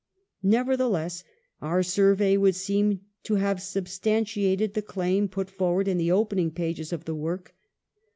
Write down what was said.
Nevertheless, our survey would seem to have substantiated the claim put forward in the opening pages of this work.